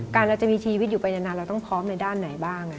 เราจะมีชีวิตอยู่ไปนานเราต้องพร้อมในด้านไหนบ้าง